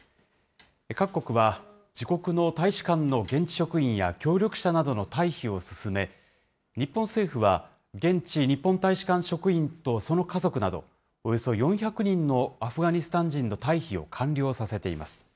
各国は自国の大使館の現地職員や協力者などの退避を進め、日本政府は現地日本大使館職員とその家族など、およそ４００人のアフガニスタン人の退避を完了させています。